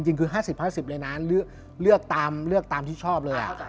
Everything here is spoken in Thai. จริงคือ๕๐๕๐เลยนะเลือกตามที่ชอบเลย